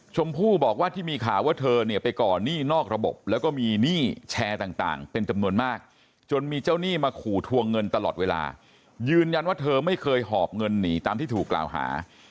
ชมพู่บอกว่าที่มีข่าวว่าเธอเนี่ยไปก่อนหนี้นอกระบบแล้วก็มีหนี้แชร์ต่างเป็นจำนวนมากจนมีเจ้าหนี้มาขู่ทวงเงินตลอดเวลายืนยันว่าเธอไม่เคยหอบเงินหนีตามที่ถูกกล่าวหา